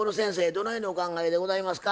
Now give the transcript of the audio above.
どのようにお考えでございますか？